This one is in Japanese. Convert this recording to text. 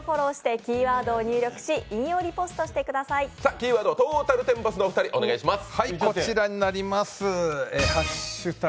キーワードトータルテンボスのお二人お願いします。